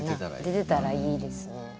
出てたらいいですね。